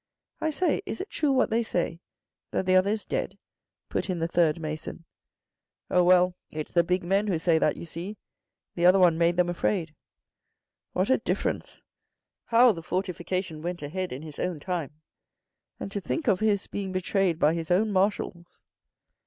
" I say, is it true what they say, that the other is dead ?" put in the third mason. " Oh well, it's the ' big men ' who say that, you see. The other one made them afraid." " What a difference. How the fortification went ahead in his time. And to think of his being betrayed by his own marshals."